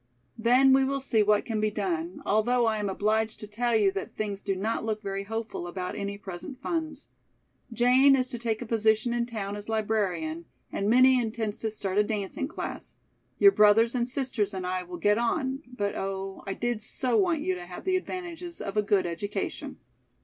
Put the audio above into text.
Then we will see what can be done, although I am obliged to tell you that things do not look very hopeful about any present funds. Jane is to take a position in town as librarian and Minnie intends to start a dancing class. Your brothers and sisters and I will get on, but oh, I did so want you to have the advantages of a good education."